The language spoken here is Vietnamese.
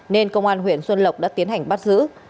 nên công an huyện xuân lộc đã tiến hành bắt giữ